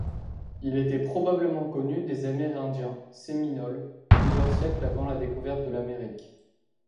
Il était probablement connu des Amérindiens Séminoles plusieurs siècles avant la découverte de l'Amérique.